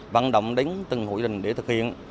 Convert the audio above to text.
vận động đến từng hội đình để thực hiện